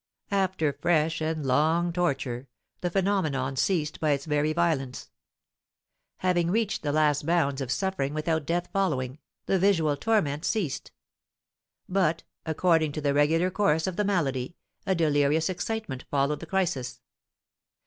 After fresh and long torture, the phenomenon ceased by its very violence. Having reached the last bounds of suffering without death following, the visual torment ceased; but, according to the regular course of the malady, a delirious excitement followed the crisis.